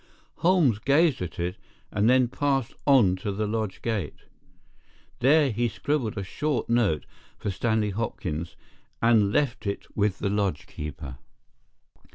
Holmes gazed at it, and then passed on to the lodge gate. There he scribbled a short note for Stanley Hopkins, and left it with the lodge keeper.